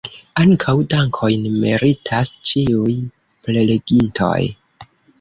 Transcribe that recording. Ankaŭ dankojn meritas ĉiuj prelegintoj.